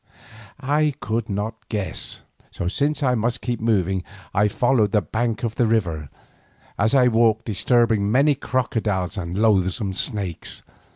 I could not guess, so since I must keep moving I followed the bank of the river, as I walked disturbing many crocodiles and loathsome snakes.